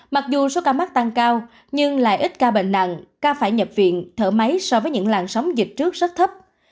mặc dù số ca mắc tăng cao nhưng lại ít ca bệnh nặng ca phải nhập viện thở máy so với những làn sóng dịch trước rất thấp